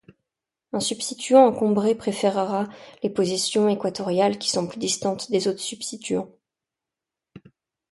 Un substituant encombré préférera les positions équatoriales qui sont plus distantes des autres substituants.